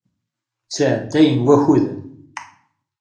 Ttɛeddayen wakuden.